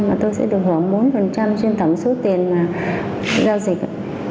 và tôi sẽ được hưởng bốn trên tầng số tiền giao dịch